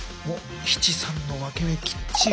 ７：３の分け目きっちり。